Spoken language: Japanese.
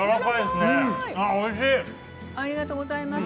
ありがとうございます。